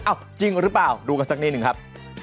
จริงหรือเปล่าดูกันสักนิดหนึ่งครับ